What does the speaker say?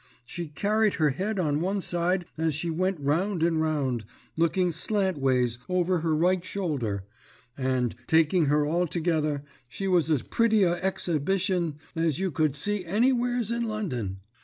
She carried her head on one side as she went round and round, looking slantways over her right shoulder, and, taking her altogether, she was as pritty a exhibition as you could see anywheres in London.